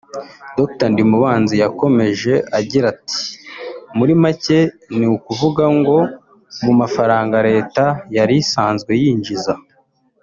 Dr Ndimubanzi yakomeje agira ati “Muri make ni ukuvuga ngo mu mafaranga leta yari isanzwe yinjiza